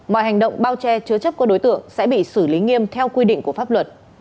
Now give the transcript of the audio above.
mọi hành động bao che chứa chấp của đối tượng sẽ bị xử lý nghiêm theo quy định của pháp luật